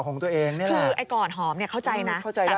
คือไอ้ก่อนหอบเนี่ยเข้าใจนะ